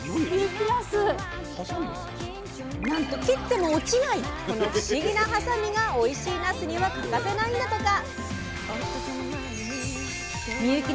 なんと切っても落ちないこの不思議なはさみがおいしいなすには欠かせないんだとか。